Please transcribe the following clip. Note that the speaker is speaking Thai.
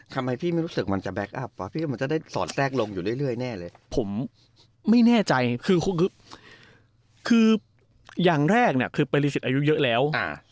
ทำไมพี่ไม่รู้สึกมันจะแก๊กอัพวะพี่ก็มันจะได้สอดแทรกลงอยู่เรื่อยแน่เลยผมไม่แน่ใจคือคงคืออย่างแรกเนี่ยคือปริสุทธิ์อายุเยอะแล้ว